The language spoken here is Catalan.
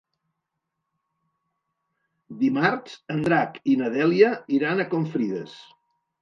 Dimarts en Drac i na Dèlia iran a Confrides.